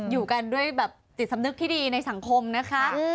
อยู่กันด้วยแบบจิตสำนึกที่ดีในสังคมนะคะ